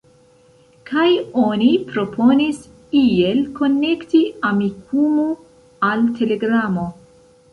Kaj oni proponis iel konekti Amikumu al Telegramo.